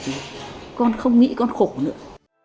thì con không nghĩ con khổ nữa